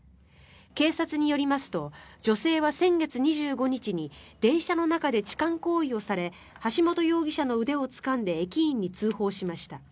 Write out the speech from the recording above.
警察によりますと女性は先月２５日に電車の中で痴漢行為をされて橋本容疑者の腕をつかんで駅員に通報しました。